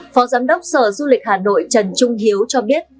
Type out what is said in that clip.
phó giám đốc sở du lịch hà nội trần trung hiếu cho biết